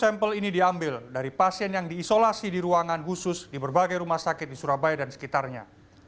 sampel ini diambil dari pasien yang diisolasi di ruangan khusus di berbagai rumah sakit di surabaya dan sekitarnya